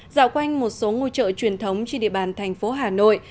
dạo quanh một số ngôi chợ truyền thống trên địa bàn thành phố hà nội